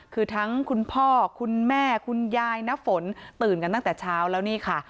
คือทั้งคุณพ่อคุณแม่คุณยายน้าฝนตื่นกันตั้งแต่เช้าแล้วนี่ค่ะ